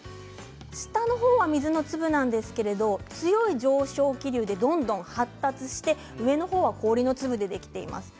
下の方は水の粒なんですけども強い上昇気流でどんどん発達して上の方は氷の粒でできています。